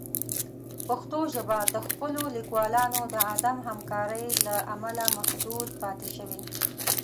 پښتو ژبه د خپلو لیکوالانو د عدم همکارۍ له امله محدود پاتې شوې.